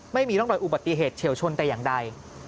ไม่มีร่องรอยอุบัติเหตุเฉียวชนแต่อย่างใด